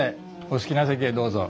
お好きな席へどうぞ。